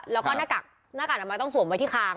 แล้วก็หน้ากากอนามัยต้องสวมไว้ที่คาง